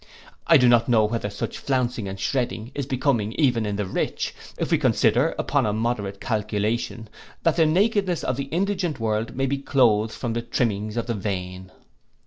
I do not know whether such flouncing and shredding is becoming even in the rich, if we consider, upon a moderate calculation, that the nakedness of the indigent world may be cloathed from the trimmings of the vain.